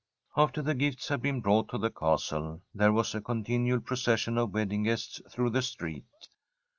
After the gifts had been brought to the castle, there was a continual procession of wedding guests through the street.